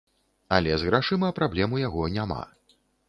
Але з грашыма праблем у яго няма.